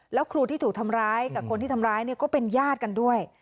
แล้วครูที่ถูกทำร้ายกับคนที่ทำร้ายเนี่ยก็เป็นญาติกันด้วย